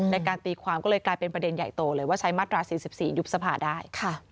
ในการตีความก็เลยกลายเป็นประเด็นใหญ่โตเลยว่าใช้มาตรา๔๔ยุบสภาได้